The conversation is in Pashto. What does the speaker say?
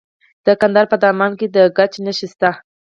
د کندهار په دامان کې د ګچ نښې شته.